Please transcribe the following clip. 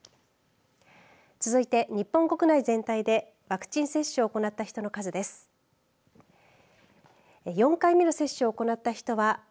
続いて日本国内全体でワクチン接種を行った人の数です。